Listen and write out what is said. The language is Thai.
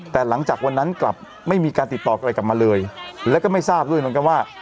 แต่หลังจากวันนั้นกลับไม่มีการติดต่ออะไรกลับมาเลยแล้วก็ไม่ทราบด้วยเหมือนกันว่า